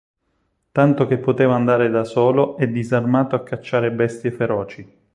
Tanto che poteva andare da solo e disarmato a cacciare bestie feroci.